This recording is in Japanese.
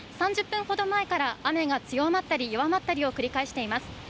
３０分ほど前から雨が強まったり弱まったりを繰り返しています。